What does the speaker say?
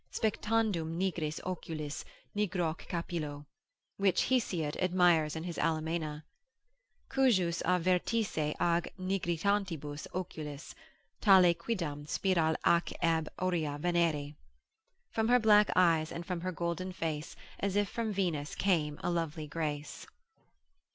Spectandum nigris oculis, nigroque capillo, which Hesiod admires in his Alemena, Cujus a vertice ac nigricantibus oculis, Tale quiddam spiral ac ab aurea Venere. From her black eyes, and from her golden face As if from Venus came a lovely grace.